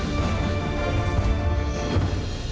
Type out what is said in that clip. สวัสดีครับ